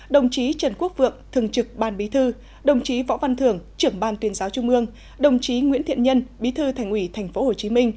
đồng chí trần quốc vượng thường trực ban bí thư đồng chí võ văn thưởng trưởng ban tuyên giáo trung ương đồng chí nguyễn thiện nhân bí thư thành ủy tp hcm